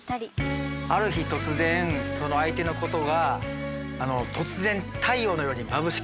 ある日突然その相手のことが突然太陽のようにまぶしく見えるのよ。